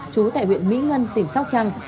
chú tại huyện mỹ ngân tỉnh sóc trăng